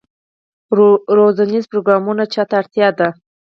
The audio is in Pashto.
روزنیز پروګرامونه چا ته اړتیا دي؟